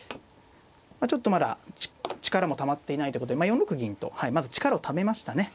ちょっとまだ力もたまっていないということで４六銀とまず力をためましたね。